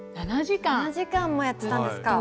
７時間もやってたんですか。